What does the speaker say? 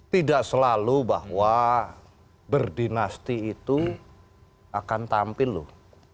tidak selalu bahwa berdinasti itu akan tampil loh